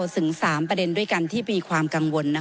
ถึง๓ประเด็นด้วยกันที่มีความกังวล